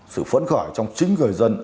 sự phấn khởi trong chính người dân